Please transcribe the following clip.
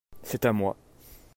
C'est à moi.